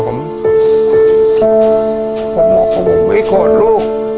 ผมบอกว่าผมไม่โกรธลูก